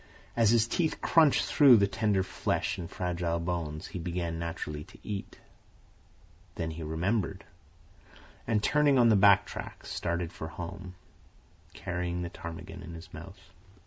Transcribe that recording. As his teeth crunched through the tender flesh and fragile bones, he began naturally to eat. Then he remembered, and, turning on the back track, started for home, carrying the ptarmigan in his mouth.